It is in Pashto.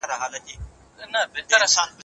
استازو به د روغتيا سکتور نيمګړتياوي په ګوته کړي وي.